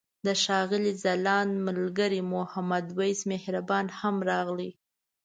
د ښاغلي ځلاند ملګری محمد وېس مهربان هم راغی.